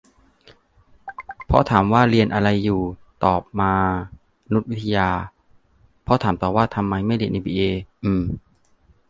พ่อถามว่า เรียนอะไรอยู่ ตอบ มานุษยวิทยา พ่อถามต่อว่า ทำไมไม่เรียนเอ็มบีเอ ? อืมมม